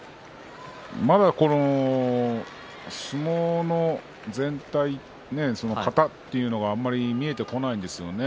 まだ相撲の型というのがあまり見えてこないですよね。